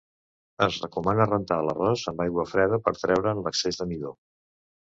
Es recomana rentar l'arròs amb aigua freda per treure'n l'excés de midó.